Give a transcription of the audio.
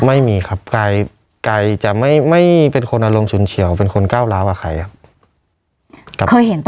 ไม่มีครับกายจะไม่เป็นคนอารมณ์ฉุนเฉียวเป็นคนก้าวร้าวกับใครครับ